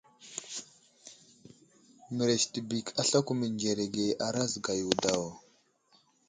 Mərez tibik aslako mənzerege a razga yo daw.